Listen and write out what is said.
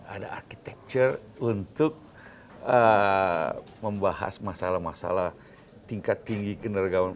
ada arsitektur untuk membahas masalah masalah tingkat tinggi keneragaman